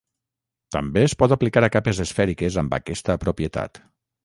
També es pot aplicar a capes esfèriques amb aquesta propietat.